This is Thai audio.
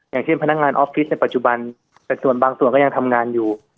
อย่างเช่นพนักงานออฟฟิศในปัจจุบันแต่ส่วนบางส่วนก็ยังทำงานอยู่